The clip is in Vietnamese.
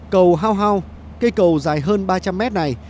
cầu hao hao cây cầu dài hơn ba trăm linh mét này